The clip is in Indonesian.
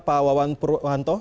pak wawan purwanto